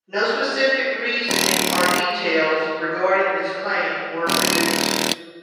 No specific reasoning or details regarding this claim were produced.